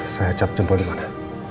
saya cap jempol dimana